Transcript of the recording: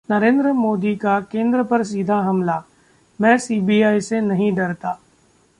नरेंद्र मोदी का केंद्र पर सीधा हमला, 'मैं सीबीआई से नहीं डरता'